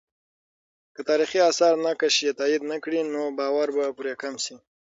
که تاریخي آثار نقش یې تایید نه کړي، نو باور به پرې کم سي.